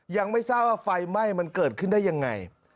ยังไม่ทราบว่าไฟไหม้มันเกิดขึ้นได้ยังไง